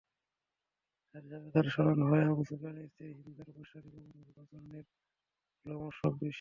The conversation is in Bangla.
সাথে সাথে তার স্মরণ হয় আবু সুফিয়ানের স্ত্রী হিন্দার পৈশাচিক অমানবিক আচরণের লোমহর্ষক দৃশ্য।